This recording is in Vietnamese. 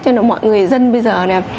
cho nên là mọi người dân bây giờ